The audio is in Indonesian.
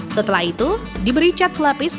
setelah itu diberi cat lapis